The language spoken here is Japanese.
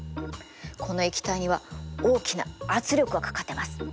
この液体には大きな圧力がかかってます。